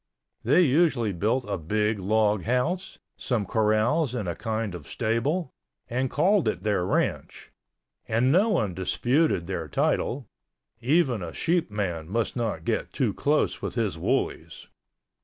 They usually built a big log house, some corrals and a kind of stable, and called it their ranch, and no one disputed their title—even a sheepman must not get too close with his woolies.